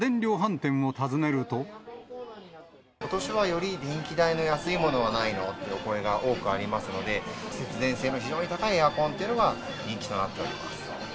ことしはより電気代の安いものはないの？っていうお声が多くありますので、節電性の非常に高いエアコンというのが人気となっております。